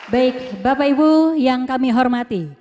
baik bapak ibu yang kami hormati